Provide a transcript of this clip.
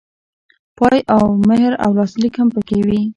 پای او مهر او لاسلیک هم پکې وي.